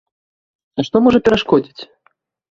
А што можа перашкодзіць?